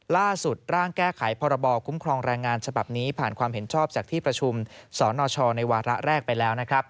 ร่างแก้ไขพรบคุ้มครองแรงงานฉบับนี้ผ่านความเห็นชอบจากที่ประชุมสนชในวาระแรกไปแล้วนะครับ